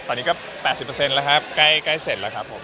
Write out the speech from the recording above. ตอนนี้ก็๘๐แล้วครับใกล้เสร็จแล้วครับผม